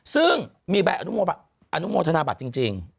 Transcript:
ซึ่งมีใบอนุโมธนาบัตรจริง